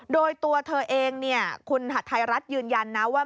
โดยตัวเธอเองคุณไทรรัชยืนยันนะ